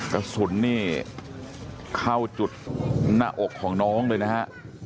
กระสุนนี่เข้าจุดหน้าอกของน้องเลยนะฮะ